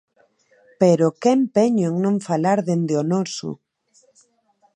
Pero ¡que empeño en non falar dende o noso!